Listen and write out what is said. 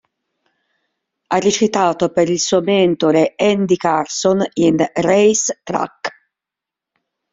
Ha recitato per il suo mentore Andy Carson in "Race track".